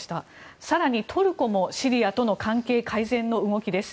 更にトルコも、シリアとの関係改善の動きです。